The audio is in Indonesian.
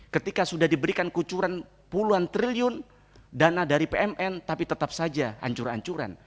ketika sudah diberikan kucuran puluhan triliun dana dari pmn tapi tetap saja hancur hancuran